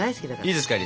いいですか？